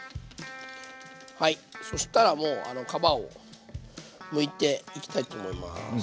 そしたらもう皮をむいていきたいと思います。